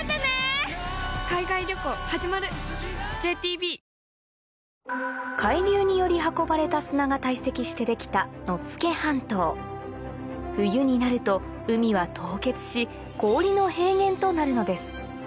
十六種類で十六茶海流により運ばれた砂が堆積してできた冬になると海は凍結し氷の平原となるのです